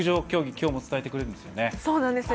今日も伝えてくれるんですよね。